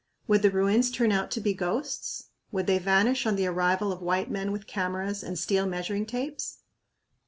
Would the ruins turn out to be "ghosts"? Would they vanish on the arrival of white men with cameras and steel measuring tapes?